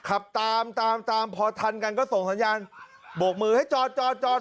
ขับตามตามพอทันกันก็ส่งสัญญาณโบกมือให้จอดจอดจอด